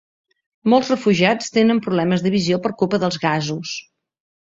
Molts refugiats tenen problemes de visió per culpa dels gasos